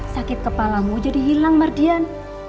sakit kepalamu jadi hilang mardian